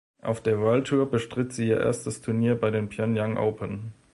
Auf der World Tour bestritt sie ihr erstes Turnier bei den Pyongyang Open.